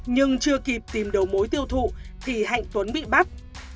nhưng chưa kịp tìm đầu mối tiêu thụ thì hạnh tuấn bị bắt